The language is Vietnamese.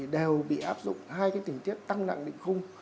đều bị áp dụng hai tình tiết tăng nặng định khung